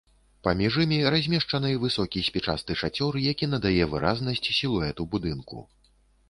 Паміж імі размешчаны высокі спічасты шацёр, які надае выразнасць сілуэту будынку.